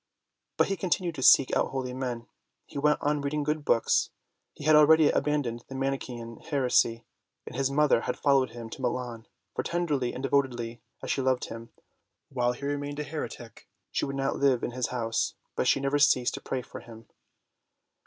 But he continued to seek out holy men; he went on reading good books. He had already abandoned the Mani chean heresy, and his mother had followed him to Milan; for tenderly and devotedly as she loved him, while he re mained a heretic she would not live in his house. But she never ceased to pray for him.